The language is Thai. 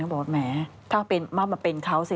บอกว่าแหมถ้ามาเป็นเขาสิ